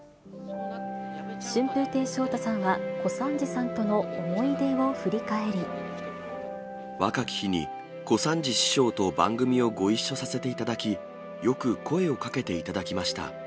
春風亭昇太さんは、若き日に小三治師匠と番組をご一緒させていただき、よく声をかけていただきました。